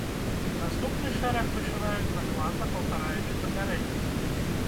Наступны шэраг вышываюць дакладна паўтараючы папярэдні.